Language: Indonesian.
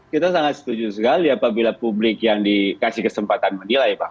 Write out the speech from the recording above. kita sangat setuju sekali apabila publik yang dikasih kesempatan menilai pak